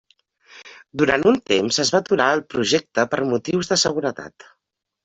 Durant un temps es va aturar el projecte per motius de seguretat.